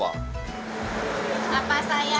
apa sayang bubur kelopek sabur makan apa